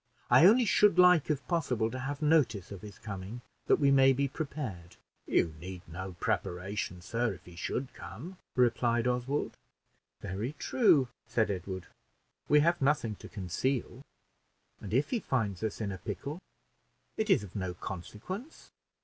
I only should like, if possible, to have notice of his coming, that we may be prepared." "You need no preparation, sir, if he should come," replied Oswald. "Very true," said Edward; "we have nothing to conceal, and if he finds us in a pickle, it is of no consequence."